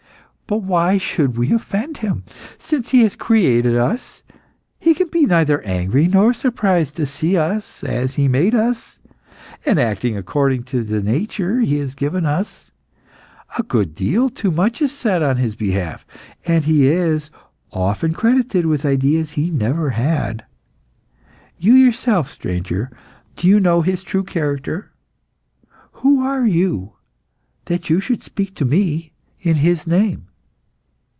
But why should we offend Him? Since He has created us, He can be neither angry nor surprised to see us as He made us, and acting according to the nature He has given us. A good deal too much is said on His behalf, and He is often credited with ideas He never had. You yourself, stranger, do you know His true character? Who are you that you should speak to me in His name?"